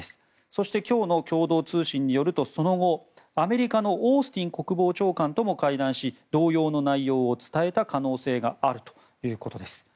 そして今日の共同通信によるとその後、アメリカのオースティン国防長官とも会談し同様の内容を伝えた可能性があるということです。